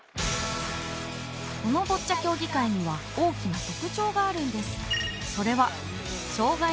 このボッチャ競技会には大きなとくちょうがあるんです。